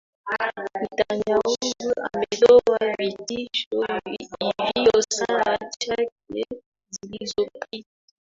netanyahu ametoa vitisho hivyo saa chache zilizopita